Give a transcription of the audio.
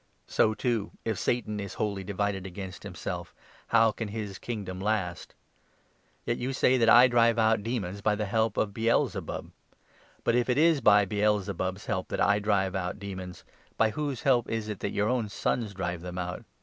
So, too, if Satan is 18 wholly divided against himself, how can his kingdom last ? Yet you say that I drive out demons by the help of B#al zebub. But, if it is by Baal zebub's help that I drive out 19 demons, by whose help is it that your own sons drive them out?